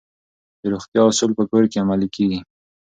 د روغتیا اصول په کور کې عملي کیږي.